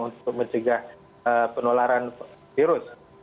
untuk mencegah penularan virus